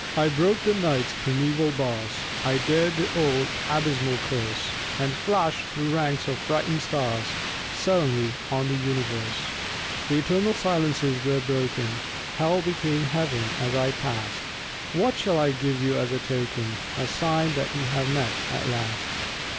I broke the Night's primeval bars, I dared the old abysmal curse, And flashed through ranks of frightened stars Suddenly on the universe! The eternal silences were broken; Hell became Heaven as I passed. What shall I give you as a token, A sign that we have met, at last?